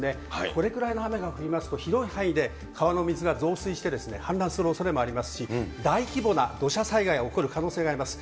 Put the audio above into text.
これぐらいの雨が降りますと、広い範囲で川の水が増水して氾濫するおそれもありますし、大規模な土砂災害が起こる可能性があります。